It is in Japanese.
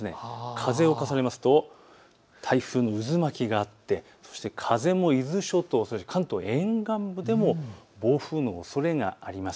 風を重ねますと台風の渦巻きがあって風も伊豆諸島、関東沿岸部でも暴風のおそれがあります。